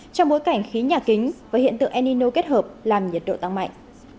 trong bối cảnh khí nhà kính và hiện tượng enino kết hợp làm nhiệt độ tăng mạnh